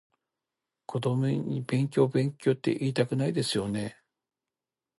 子供に勉強勉強っていいたくないですよね？